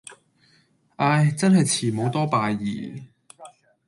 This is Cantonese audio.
唉,真係慈母多敗兒